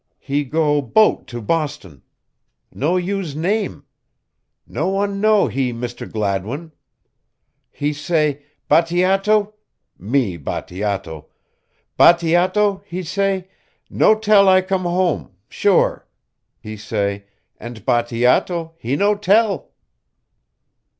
He go boat to Boston. No use name. No one know he Mr. Gladwin. He say, 'Bateato' me Bateato 'Bateato,' he say, 'no tell I come home sure,' he say, and Bateato he no tell."